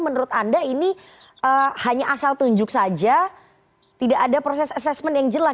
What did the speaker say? menurut anda ini hanya asal tunjuk saja tidak ada proses assessment yang jelas